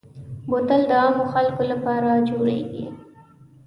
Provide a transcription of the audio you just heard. بوتل د عامو خلکو لپاره جوړېږي.